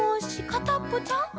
かたっぽちゃん？」